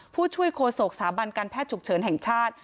ผู้ช่วยโคโศกสาบานแพร่ฉุกเฉินแห่งชาติ